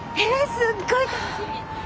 すっごい楽しみ！